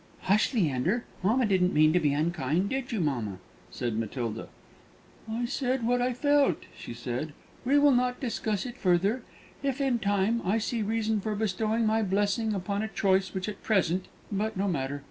"Hush, Leander! Mamma didn't mean to be unkind; did you, mamma?" said Matilda. "I said what I felt," she said. "We will not discuss it further. If, in time, I see reason for bestowing my blessing upon a choice which at present But no matter.